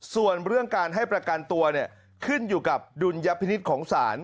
ส่วนเรื่องการให้ประกันตัวขึ้นอยู่กับดุลยพินิษฐ์ของศาล